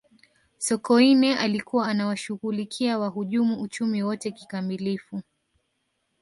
sokoine alikuwa anawashughulikia wahujumu uchumi wote kikamilifu